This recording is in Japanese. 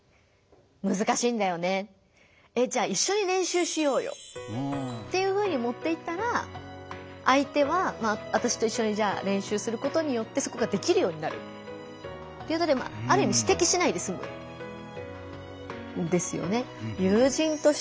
「むずかしいんだよね」。っていうふうに持っていったら相手は私と一緒にじゃあ練習することによってそこができるようになるということである意味指摘しないですむんですよね。